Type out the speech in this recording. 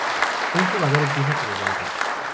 Un jugador empieza como banca.